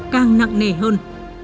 càng nặng nề hơn